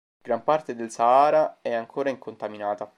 Gran parte del Sahara è ancora incontaminata.